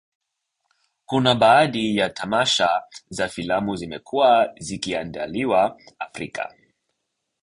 Kuna baadi ya tamasha za filamu zimekuwa zikiandaliwa Afrika